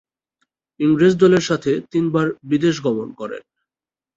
ইংরেজ দলের সাথে তিনবার বিদেশ গমন করেন।